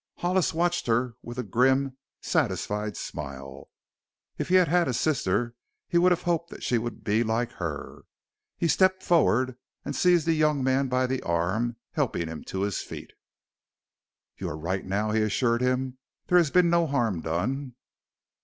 Hollis watched her with a grim, satisfied smile. If he had had a sister he would have hoped that she would be like her. He stepped forward and seized the young man by the arm, helping him to his feet. "You are right now," he assured him; "there has been no harm done."